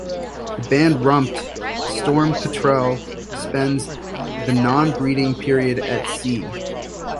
The band-rumped storm petrel spends the non-breeding period at sea.